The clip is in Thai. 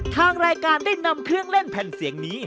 ทางรายการได้นำเครื่องเล่นแผ่นเสียงนี้